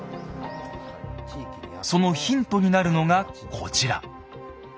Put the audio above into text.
そのヒントになるのがこちら。